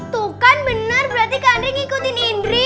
tuh kan bener berarti kak andri ngikutin indri